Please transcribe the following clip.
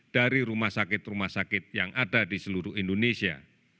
dari rumah sakit rumah sakit yang ada di seluruh indonesia